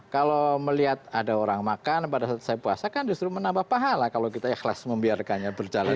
kalau melihat ada orang makan pada saat saya puasa kan justru menambah pahala kalau kita ikhlas membiarkannya berjalan